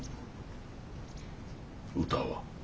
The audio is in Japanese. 歌は？